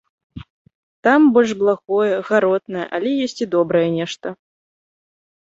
Там больш благое, гаротнае, але ёсць і добрае нешта.